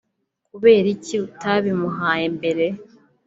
kubera iki utabimuhaye mbere